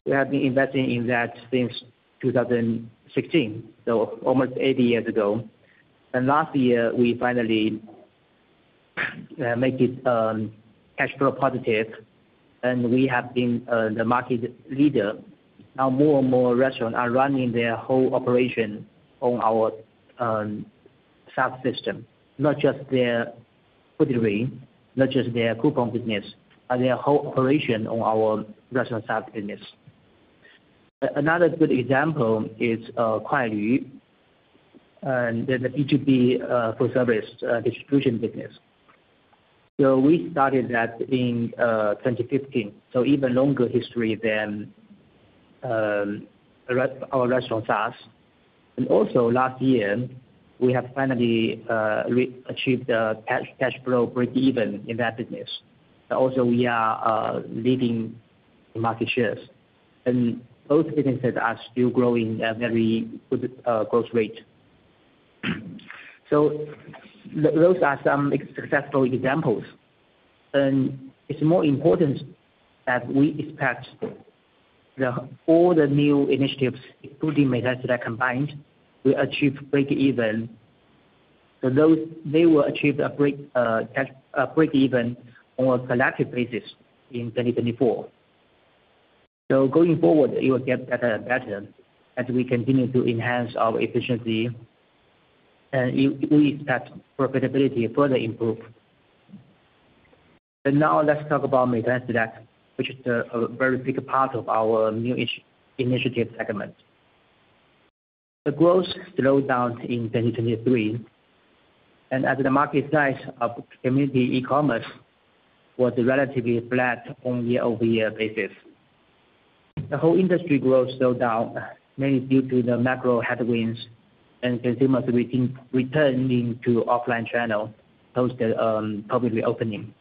we have been investing in that since 2016, so almost 80 years ago. Last year, we finally made it cash flow positive, and we have been the market leader. Now, more and more restaurants are running their whole operation on our SaaS system, not just their food delivery, not just their coupon business, but their whole operation on our restaurant SaaS business. Another good example is Kuailv, the B2B food service distribution business. We started that in 2015, so even longer history than our restaurant SaaS. Also last year, we have finally achieved a cash flow break-even in that business. Also, we are leading in market shares. Both businesses are still growing at a very good growth rate. Those are some successful examples. It's more important that we expect all the new initiatives, including Meituan Select combined, will achieve break-even. They will achieve a break-even on a collective basis in 2024. Going forward, it will get better and better as we continue to enhance our efficiency, and we expect profitability further improve. Now, let's talk about Meituan Select, which is a very big part of our new initiative segment. The growth slowed down in 2023, and as the market size of community e-commerce was relatively flat on a year-over-year basis, the whole industry growth slowed down mainly due to the macro headwinds and consumers returning to offline channels post the public reopening.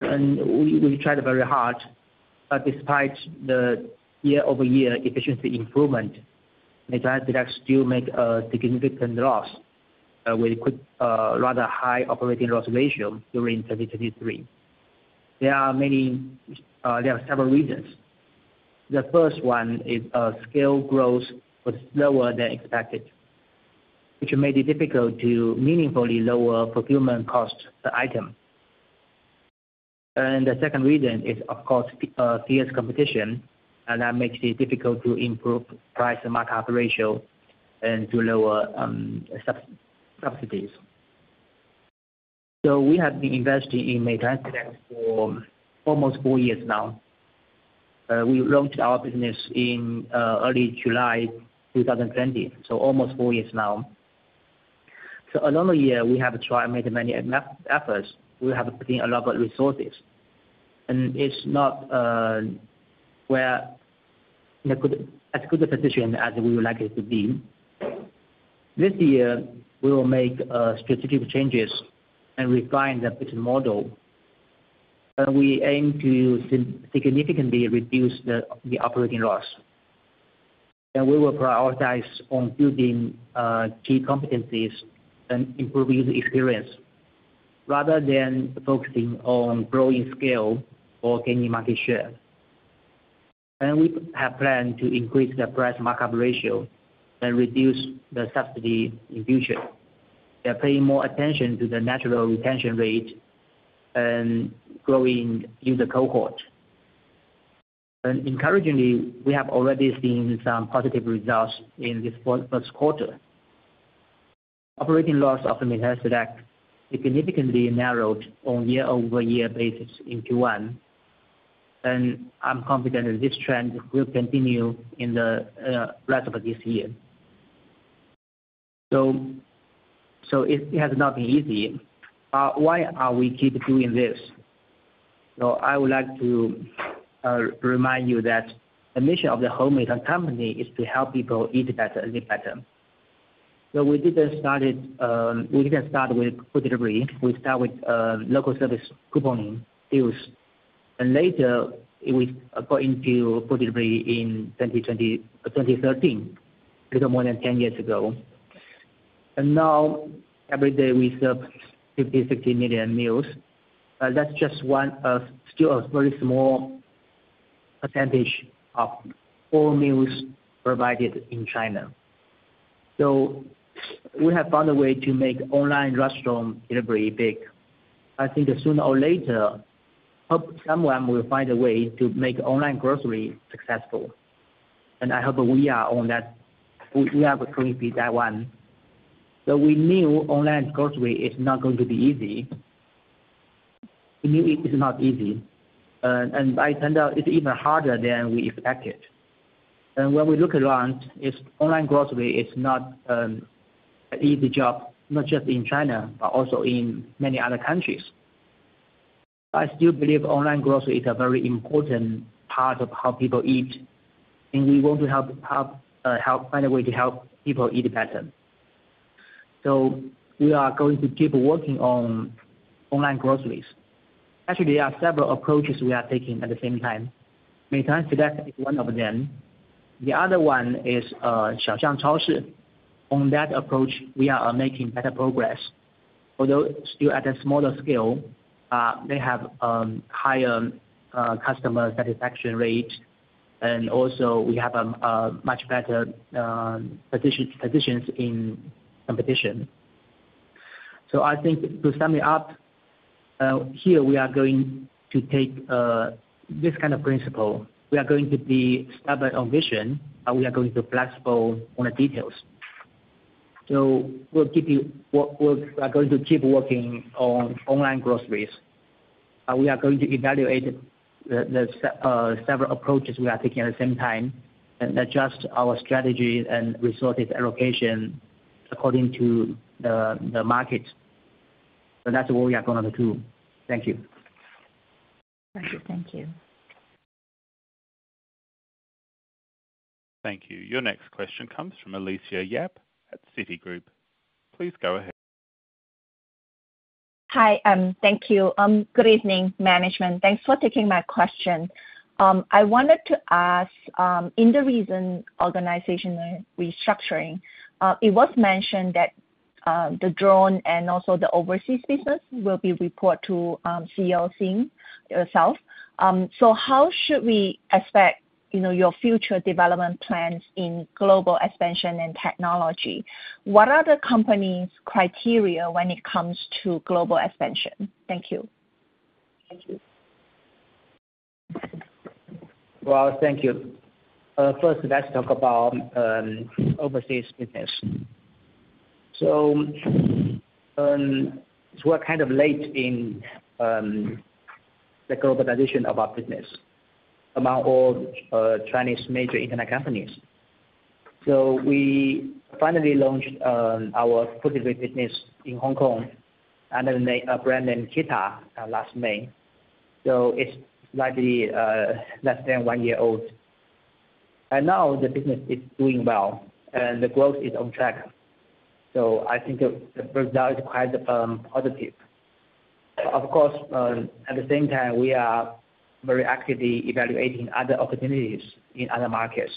We tried very hard, but despite the year-over-year efficiency improvement, Meituan Select still made significant loss with a rather high operating loss ratio during 2023. There are several reasons. The first one is scale growth was slower than expected, which made it difficult to meaningfully lower procurement costs per item. The second reason is, of course, fierce competition, and that makes it difficult to improve price and market ratio and to lower subsidies. We have been investing in Meituan Select for almost four years now. We launched our business in early July 2020, so almost four years now. So along the year, we have tried and made many efforts. We have put in a lot of resources, and it's not in as good a position as we would like it to be. This year, we will make strategic changes and refine the business model. We aim to significantly reduce the operating loss. We will prioritize on building key competencies and improving user experience rather than focusing on growing scale or gaining market share. We have planned to increase the price-market ratio and reduce the subsidy in future by paying more attention to the natural retention rate and growing user cohort. Encouragingly, we have already seen some positive results in this first quarter. Operating loss of Meituan Select significantly narrowed on a year-over-year basis in Q1, and I'm confident that this trend will continue in the rest of this year. It has not been easy. Why are we keep doing this? So I would like to remind you that the mission of the Meituan company is to help people eat better and live better. So we didn't start it; we didn't start with food delivery. We start with local service couponing deals. And later, we got into food delivery in 2013, a little more than 10 years ago. And now, every day, we serve 50 million-60 million meals. That's just still a very small percentage of all meals provided in China. So we have found a way to make online restaurant delivery big. I think sooner or later, someone will find a way to make online grocery successful. And I hope we are on that; we are going to be that one. So we knew online grocery is not going to be easy. We knew it's not easy. It turned out it's even harder than we expected. When we look around, online grocery is not an easy job, not just in China but also in many other countries. I still believe online grocery is a very important part of how people eat, and we want to help find a way to help people eat better. So we are going to keep working on online groceries. Actually, there are several approaches we are taking at the same time. Meituan Select is one of them. The other one is Xiaoxiang Caoshi. On that approach, we are making better progress. Although still at a smaller scale, they have higher customer satisfaction rate, and also we have much better positions in competition. So I think to sum it up, here, we are going to take this kind of principle. We are going to be stubborn on vision, but we are going to be flexible on the details. So we'll keep you, we are going to keep working on online groceries. We are going to evaluate the several approaches we are taking at the same time and adjust our strategy and resources allocation according to the market. So that's what we are going to do. Thank you. Thank you. Thank you. Thank you. Your next question comes from Alicia Yap at Citigroup. Please go ahead. Hi. Thank you. Good evening, management. Thanks for taking my question. I wanted to ask, in the recent organizational restructuring, it was mentioned that the drone and also the overseas business will be reported to CEO Wang Xing yourself. So how should we expect your future development plans in global expansion and technology? What are the company's criteria when it comes to global expansion? Thank you. Thank you. Well, thank you. First, let's talk about overseas business. So we're kind of late in the globalization of our business among all Chinese major internet companies. So we finally launched our food delivery business in Hong Kong under a brand named KeeTa last May. So it's slightly less than one year old. And now, the business is doing well, and the growth is on track. So I think the result is quite positive. Of course, at the same time, we are very actively evaluating other opportunities in other markets.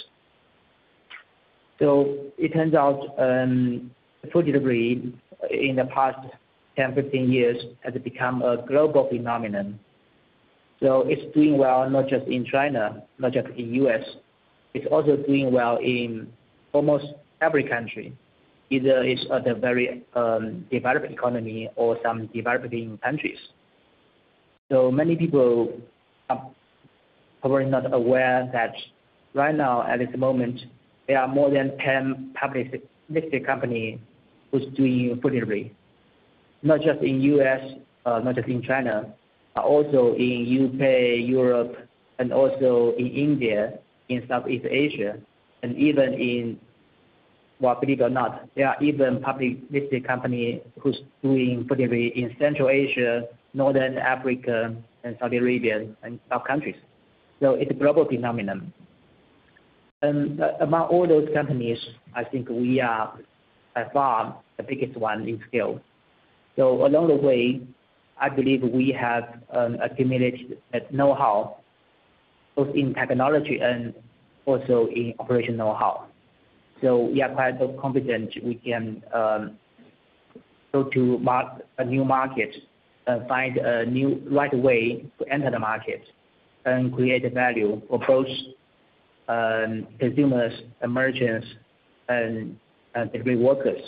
So it turns out food delivery in the past 10, 15 years has become a global phenomenon. So it's doing well not just in China, not just in the U.S. It's also doing well in almost every country, either it's a very developed economy or some developing countries. So many people are probably not aware that right now, at this moment, there are more than 10 public listed companies who's doing food delivery, not just in the U.S., not just in China, but also in U.K., Europe, and also in India, in Southeast Asia. And even in well, believe it or not, there are even public listed companies who's doing food delivery in Central Asia, North Africa, and Saudi Arabia and other countries. So it's a global phenomenon. And among all those companies, I think we are, by far, the biggest one in scale. So along the way, I believe we have accumulated know-how, both in technology and also in operational know-how. So we are quite confident we can go to a new market and find a new right way to enter the market and create value for both consumers, merchants, and delivery workers.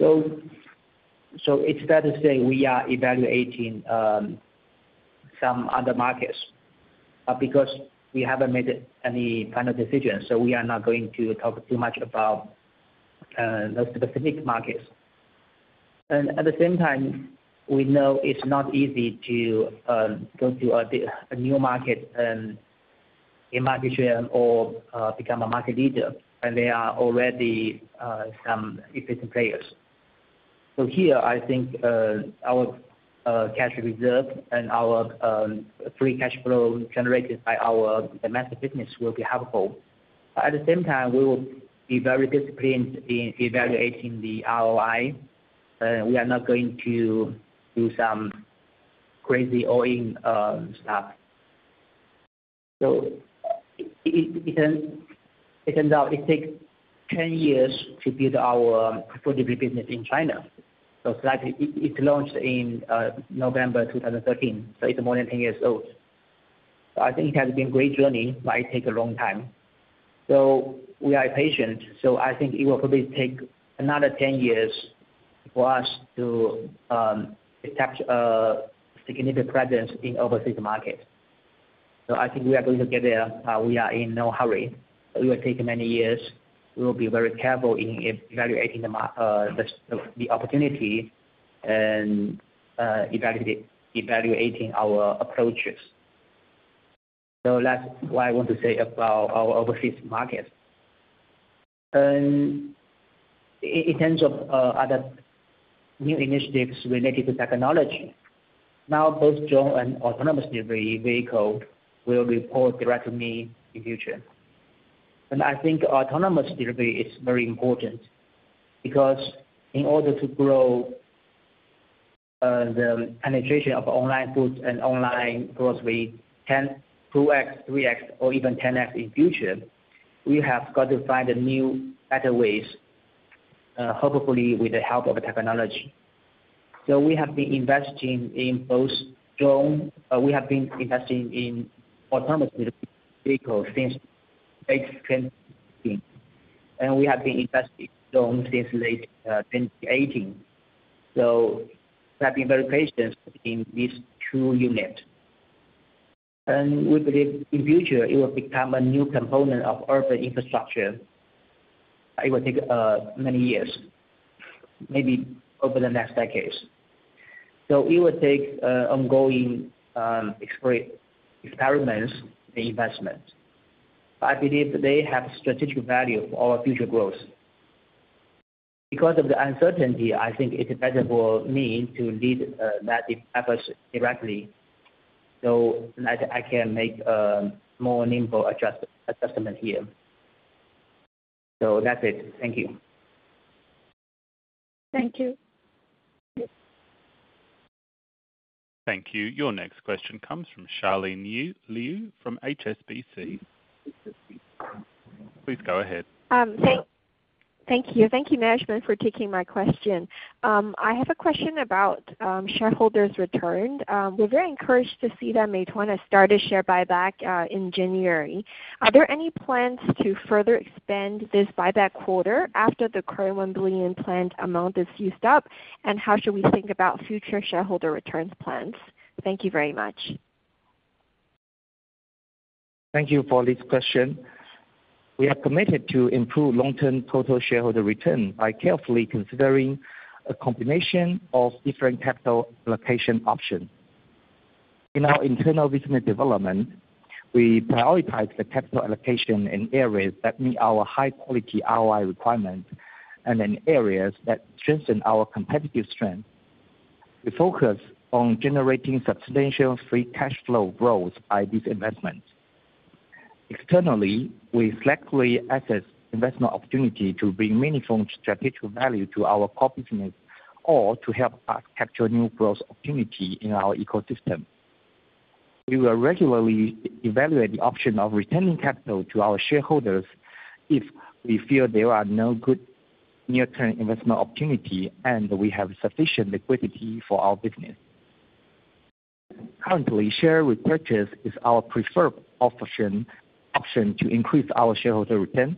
It's fair to say we are evaluating some other markets because we haven't made any final decision. We are not going to talk too much about those specific markets. At the same time, we know it's not easy to go to a new market in [magnetism] or become a market leader, and there are already some existing players. Here, I think our cash reserve and our free cash flow generated by our domestic business will be helpful. At the same time, we will be very disciplined in evaluating the ROI. We are not going to do some crazy all-in stuff. It turns out it takes 10 years to build our food delivery business in China. It's launched in November 2013. It's more than 10 years old. I think it has been a great journey, but it takes a long time. So we are patient. So I think it will probably take another 10 years for us to establish a significant presence in overseas markets. So I think we are going to get there. We are in no hurry. It will take many years. We will be very careful in evaluating the opportunity and evaluating our approaches. So that's what I want to say about our overseas markets. And in terms of other new initiatives related to technology, now, both drone and autonomous delivery vehicles will report directly to me in future. And I think autonomous delivery is very important because in order to grow the penetration of online food and online grocery 10x, 2x, 3x, or even 10x in future, we have got to find new better ways, hopefully with the help of technology. So we have been investing in both drones. We have been investing in autonomous delivery vehicles since late 2018. We have been investing in drones since late 2018. We have been very patient in these two units. We believe in the future, it will become a new component of urban infrastructure. It will take many years, maybe over the next decades. It will take ongoing experiments and investment. I believe they have strategic value for our future growth. Because of the uncertainty, I think it's better for me to lead that effort directly so that I can make a more nimble adjustment here. That's it. Thank you. Thank you. Thank you. Your next question comes from Charlene Liu from HSBC. Please go ahead. Thank you. Thank you, management, for taking my question. I have a question about shareholders' return. We're very encouraged to see that Meituan has started share buyback in January. Are there any plans to further expand this buyback quarter after the current 1 billion planned amount is used up? And how should we think about future shareholder returns plans? Thank you very much. Thank you for this question. We are committed to improve long-term total shareholder return by carefully considering a combination of different capital allocation options. In our internal business development, we prioritize the capital allocation in areas that meet our high-quality ROI requirements and in areas that strengthen our competitive strength. We focus on generating substantial free cash flow growth by these investments. Externally, we selectively assess investment opportunity to bring meaningful strategic value to our core business or to help us capture new growth opportunity in our ecosystem. We will regularly evaluate the option of returning capital to our shareholders if we feel there are no good near-term investment opportunity and we have sufficient liquidity for our business. Currently, share repurchase is our preferred option to increase our shareholder return.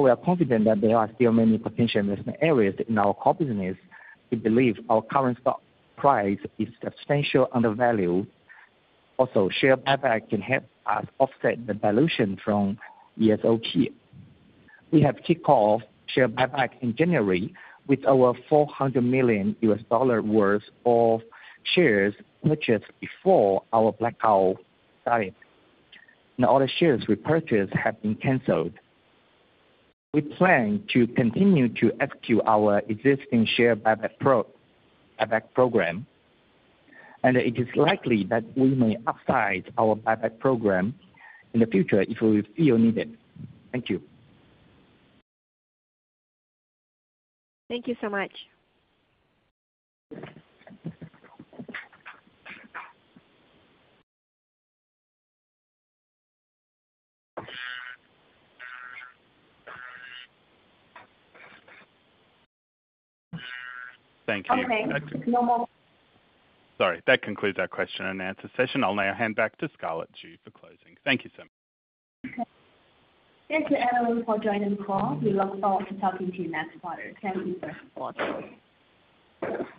We are confident that there are still many potential investment areas in our core business. We believe our current stock price is substantially undervalued. Also, share buyback can help us offset the dilution from ESOP. We have kicked off share buyback in January with over $400 million worth of shares purchased before our blackout started. Now, all the shares repurchased have been canceled. We plan to continue to execute our existing share buyback program. It is likely that we may upsize our buyback program in the future if we feel needed. Thank you. Thank you so much. Thank you. Okay. No more. Sorry. That concludes our question and answer session. I'll now hand back to Scarlett Xu for closing. Thank you so much. Thank you, Adeline, for joining the call. We look forward to talking to you next quarter. Thank you, first of all.